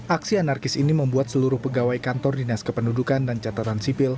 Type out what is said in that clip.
aksi anarkis ini membuat seluruh pegawai kantor dinas kependudukan dan catatan sipil